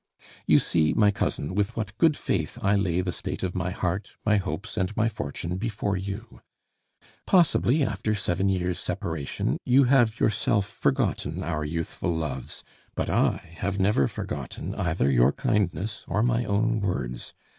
You see, my cousin, with what good faith I lay the state of my heart, my hopes, and my fortune before you. Possibly, after seven years' separation, you have yourself forgotten our youthful loves; but I have never forgotten either your kindness or my own words.